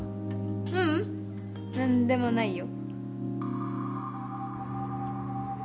ううん何でもないよ